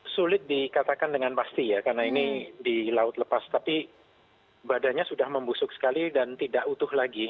sulit dikatakan dengan pasti ya karena ini di laut lepas tapi badannya sudah membusuk sekali dan tidak utuh lagi